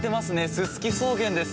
ススキ草原です。